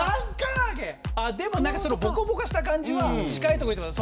でもそのボコボコした感じは近いところいってます。